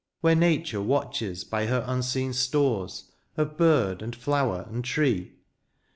Where nature watches by her unseen stores Of bird, and flower, and tree